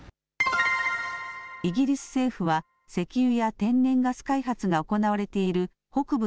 イギリス政府は石油や天然ガス開発が行われている北部